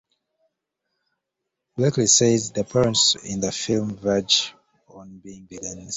Blakley says the parents in the film verge on being villains.